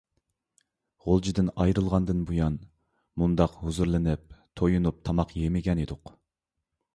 غۇلجىدىن ئايرىلغاندىن بۇيان، مۇنداق ھۇزۇرلىنىپ، تويۇنۇپ تاماق يېمىگەن ئىدۇق.